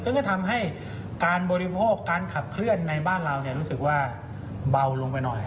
ซึ่งก็ทำให้การบริโภคการขับเคลื่อนในบ้านเรารู้สึกว่าเบาลงไปหน่อย